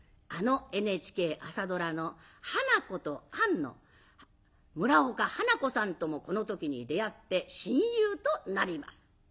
あのＮＨＫ朝ドラの「花子とアン」の村岡花子さんともこの時に出会って親友となります。